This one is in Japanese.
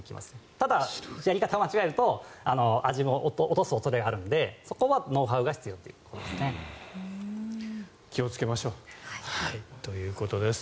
ただ、やり方を間違えると味も落とす恐れがあるのでそこはノウハウが必要ということですね。